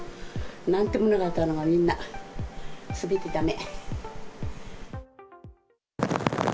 なんともなかったのがみんな、すべてだめ。